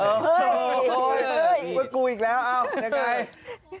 เฮ้ยเฮ้ยเฮ้ยกล้วยกูอีกแล้วอ้าวยังไง